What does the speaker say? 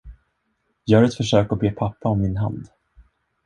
Gör ett försök och be pappa om min hand.